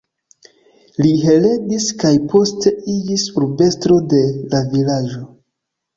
Li heredis, kaj poste iĝis urbestro de la vilaĝo.